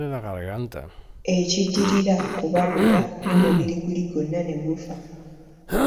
Ekiddirira kubabuka, n’omubiri guli gwonna ne gufa.